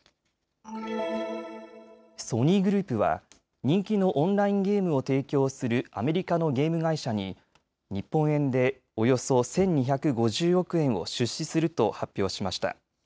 ソニーグループは人気のオンラインゲームを提供するアメリカのゲーム会社に日本円でおよそ１２５０億円を出資すると発表しました。